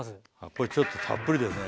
これちょっとたっぷりでね